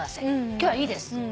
「今日はいいです」